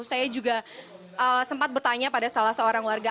saya juga sempat bertanya pada salah seorang warga